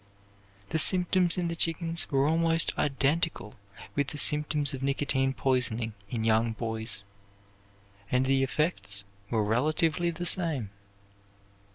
The symptoms in the chickens were almost identical with the symptoms of nicotine poisoning in young boys, and the effects were relatively the same.